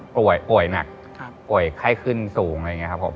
ป่วยหนักป่วยไข้ขึ้นสูงอะไรอย่างนี้ครับผม